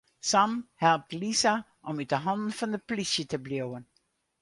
Sam helpt Lisa om út 'e hannen fan de polysje te bliuwen.